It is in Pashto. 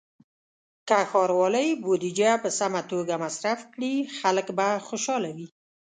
که ښاروالۍ بودیجه په سمه توګه مصرف کړي، خلک به خوشحاله وي.